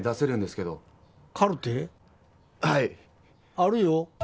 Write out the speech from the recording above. あるよ。